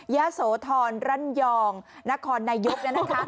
ยะโสธรร่นยองนครนายก